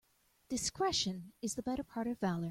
Discretion is the better part of valour.